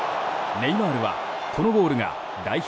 ネイマールは、このゴールが代表